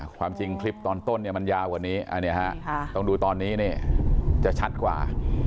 ความจริงคลิปตอนต้นเนี่ยมันยาวกว่านี้ต้องดูตอนนี้จะชัดกว่า